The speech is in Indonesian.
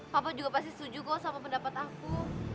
papa juga pasti setuju kok sama pendapat aku